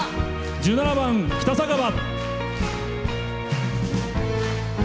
１７番「北酒場」。